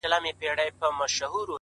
o د گناهونو شاهدي به یې ویښتان ورکوي،